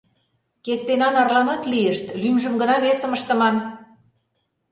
— Кестенан Арланат лийышт; лӱмжым гына весым ыштыман!